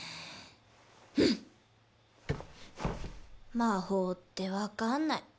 魔法って分かんない。